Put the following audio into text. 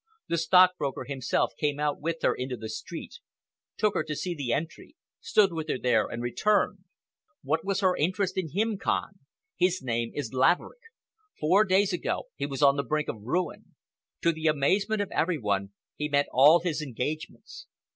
The stockbroker himself came out with her into the street, took her to see the entry, stood with her there and returned. What was her interest in him, Kahn? His name is Laverick. Four days ago he was on the brink of ruin. To the amazement of every one, he met all his engagements.